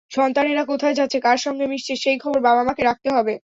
সন্তানেরা কোথায় যাচ্ছে, কার সঙ্গে মিশছে, সেই খবর বাবা-মাকে রাখতে হবে।